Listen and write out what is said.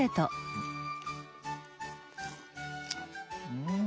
うん！